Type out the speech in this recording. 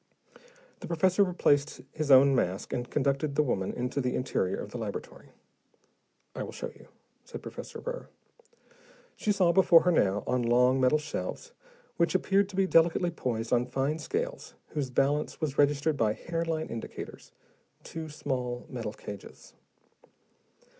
The professor replaced his own mask and conducted the woman into the interior of the laboratory. "I will show you," said Professor Burr. She saw before her now, on long metal shelves which appeared to be delicately poised on fine scales whose balance was registered by hair line indicators, two small metal cages.